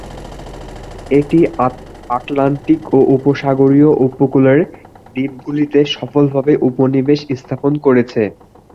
এটি আটলান্টিক ও উপসাগরীয় উপকূলের দ্বীপগুলিতে সফলভাবে উপনিবেশ স্থাপন করেছে।